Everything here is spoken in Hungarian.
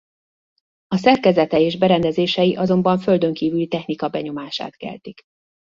A szerkezete és berendezései azonban földönkívüli technika benyomását keltik.